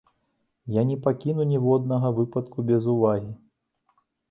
Я не пакіну ніводнага выпадку без увагі.